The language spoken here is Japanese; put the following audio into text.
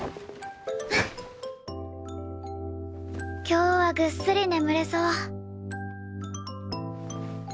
今日はぐっすり眠れそう。